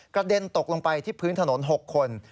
เด็นตกลงไปที่พื้นถนน๖คน